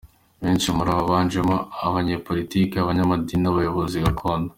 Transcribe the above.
Benshi muri aba biganjemo abanyepolitiki, abanyamadini n’abayobozi gakondo.